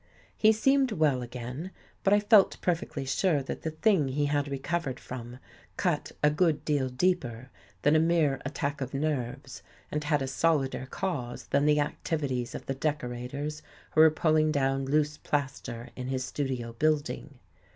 He seemed well again, but I felt perfectly sure that the thing he had recovered from cut a good deal deeper than a mere attack of nerves and had a solider cause than the activities of the decorators who were pulling down loose plaster in his studio building.